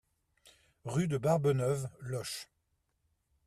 Rue de Barbeneuve, Loches